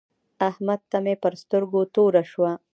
احمد ته مې پر سترګو توره شوه.